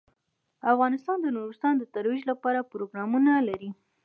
افغانستان د نورستان د ترویج لپاره پروګرامونه لري.